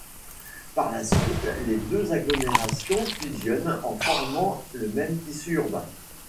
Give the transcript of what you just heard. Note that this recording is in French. Par la suite les deux agglomérations fusionnent en formant le même tissu urbain.